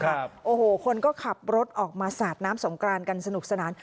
โอ้โหคนก็ขับรถออกมาสาดน้ำสงกรานกันสนุกสนาน